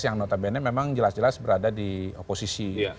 yang notabene memang jelas jelas berada di oposisi